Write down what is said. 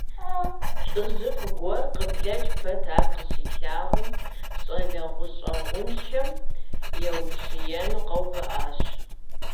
ЛӀыжьыфӀ гуэр, къыблэкӀрэ пэт ар къыщилъагъум, щӀалэ гущӀэгъуншэм еущиену къэувыӀащ.